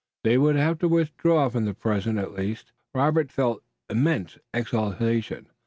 They would have to withdraw, for the present at least. Robert felt immense exultation.